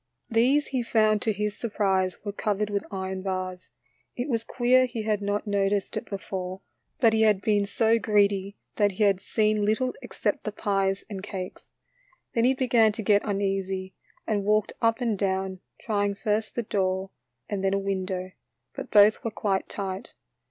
These he found to his surprise were covered with iron bars. It was queer he had not noticed it before, but he had been so greedy that he had seen little except the pies and cakes. Then he began to get uneasy, and walked up and down, trying first the door and then a window, but both were quite tight.